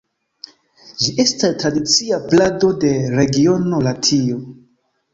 Ĝi estas tradicia plado de regiono Latio.